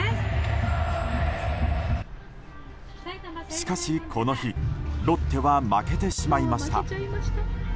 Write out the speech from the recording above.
しかし、この日ロッテは負けてしまいました。